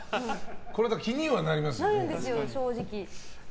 これは気にはなりますよね。